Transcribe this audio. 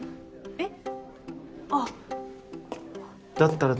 えっ？